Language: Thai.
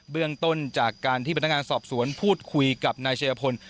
เรื่องต้นจากการที่พนักงานสอบสวนพูดคุยกับนายชายพล